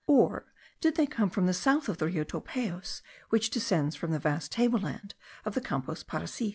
or did they come from the south by the Rio Topayos, which descends from the vast table land of the Campos Parecis?